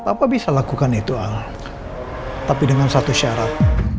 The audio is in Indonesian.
bapak bisa lakukan itu al tapi dengan satu syarat